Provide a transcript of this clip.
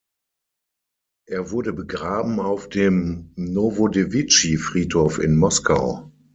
Er wurde begraben auf dem Nowodewitschi-Friedhof in Moskau.